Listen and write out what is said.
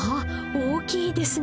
大きいですね！